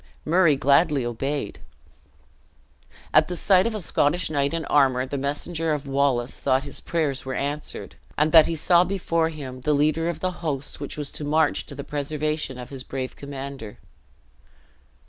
Murray gladly obeyed. At sight of a Scottish knight in armor, the messenger of Wallace thought his prayers were answered, and that he saw before him the leader of the host which was to march to the preservation of his brave commander.